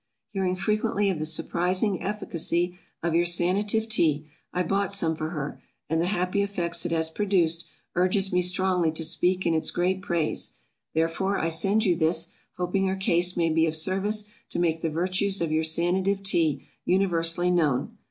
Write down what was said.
Hearing frequently of the surprising efficacy of your Sanative Tea, I bought some for her, and the happy effects it has produced, urges me strongly to speak in its great praise; therefore, I send you this, hoping her case may be of service to make the virtues of your Sanative Tea, universally known.